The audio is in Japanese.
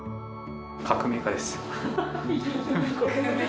革命家です。